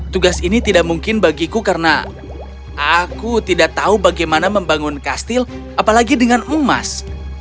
tugas ini tidak mungkin bagiku karena aku tidak tahu bagaimana membangun kastil apalagi dengan emas